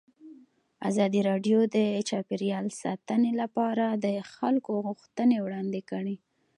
ازادي راډیو د چاپیریال ساتنه لپاره د خلکو غوښتنې وړاندې کړي.